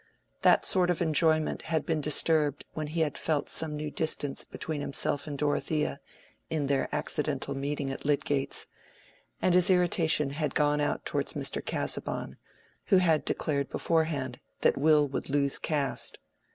That sort of enjoyment had been disturbed when he had felt some new distance between himself and Dorothea in their accidental meeting at Lydgate's, and his irritation had gone out towards Mr. Casaubon, who had declared beforehand that Will would lose caste.